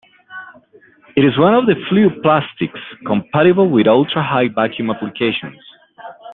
It is one of the few plastics compatible with ultra-high vacuum applications.